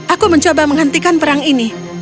aku mencoba menghentikan perang ini